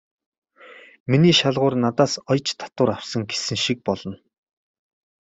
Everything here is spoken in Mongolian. Миний шалгуур надаас оёж татвар авсан" гэсэн шиг болно.